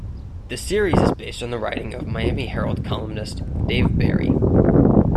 The series is based on the writing of "Miami Herald" columnist Dave Barry.